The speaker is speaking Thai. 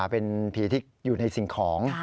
เป็นผีที่อยู่ในสิ่งของ